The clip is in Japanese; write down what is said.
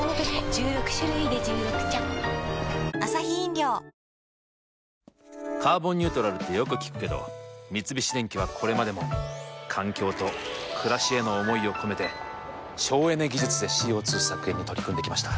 十六種類で十六茶「カーボンニュートラル」ってよく聞くけど三菱電機はこれまでも環境と暮らしへの思いを込めて省エネ技術でＣＯ２削減に取り組んできました。